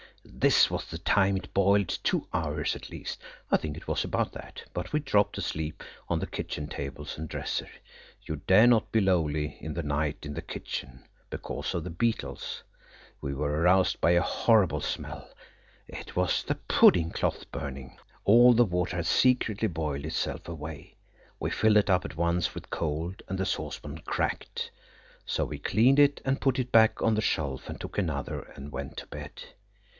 This was the time it boiled two hours–at least I think it was about that, but we dropped asleep on the kitchen tables and dresser. You dare not be lowly in the night in the kitchen, because of the beetles. We were aroused by a horrible smell. It was the pudding cloth burning. All the water had secretly boiled itself away. We filled it up at once with cold, and the saucepan cracked. So we cleaned it and put it back on the shelf and took another and went to bed.